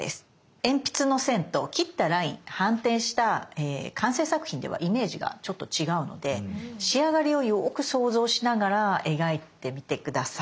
鉛筆の線と切ったライン反転した完成作品ではイメージがちょっと違うので仕上がりをよく想像しながら描いてみて下さい。